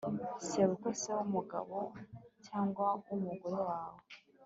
sebukwe se w'umugabo cyangwa w'umugore wawe